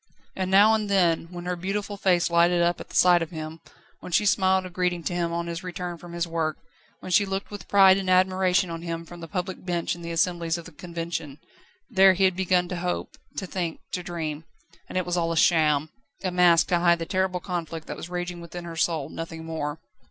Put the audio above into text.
And now and then, when her beautiful face lighted up at sight of him, when she smiled a greeting to him on his return from his work, when she looked with pride and admiration on him from the public bench in the assemblies of the Convention then he had begun to hope, to think, to dream. And it was all a sham! A mask to hide the terrible conflict that was raging within her soul, nothing more.